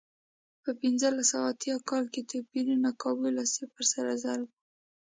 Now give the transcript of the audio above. په پنځلس سوه اته اتیا کال کې توپیرونه کابو له صفر سره ضرب و.